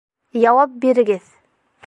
Яуап бирегеҙ!